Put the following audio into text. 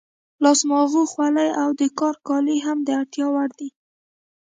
لاس ماغو، خولۍ او د کار کالي هم د اړتیا وړ دي.